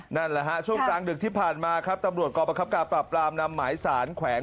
นั่นแหละฮะช่วงกลางดึกที่ผ่านมาครับตำรวจกรประคับการปราบปรามนำหมายสารแขวง